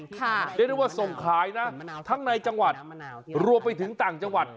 เรียกได้ว่าส่งขายนะทั้งในจังหวัดรวมไปถึงต่างจังหวัด